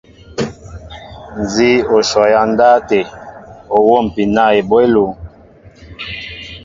Nzi o shɔ ya ndáw até, i o nwómpin na eboy elúŋ.